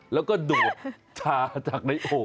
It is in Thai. แล้วก็ดูดชาจากในอก